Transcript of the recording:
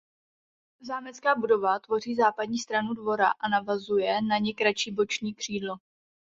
Zámecká budova tvoří západní stranu dvora a navazuje na ni kratší boční křídlo.